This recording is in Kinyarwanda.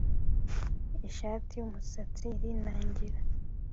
Ishatiumusatsi irinangira